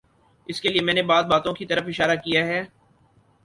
اس کے لیے میں نے بعض باتوں کی طرف اشارہ کیا ہے۔